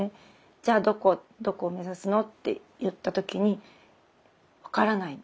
じゃあどこを目指すのって言った時に分からない。